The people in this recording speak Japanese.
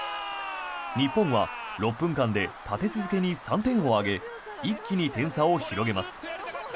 日本は６分間で立て続けに３点を挙げ一気に点差を広げます。